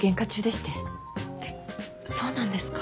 えっそうなんですか？